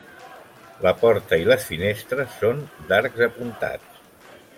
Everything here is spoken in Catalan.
La porta i les finestres són d'arcs apuntats.